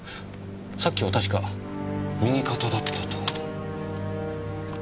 さっきは確か右肩だったと。